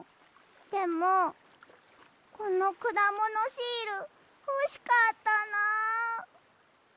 でもこのくだものシールほしかったなあ。